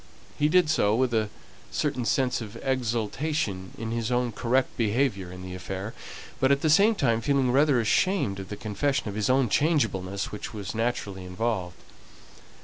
He did so with a certain sense of exultation in his own correct behaviour in the affair, but at the same time feeling rather ashamed of the confession of his own changeableness which was naturally involved.